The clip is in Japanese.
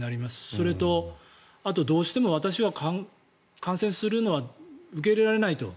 それと、あとどうしても私は感染するのは受け入れられないと。